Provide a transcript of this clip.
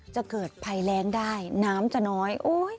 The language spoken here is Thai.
จะเกิดภัยแรงได้น้ำจะน้อย